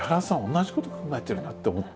同じこと考えてるなって思った。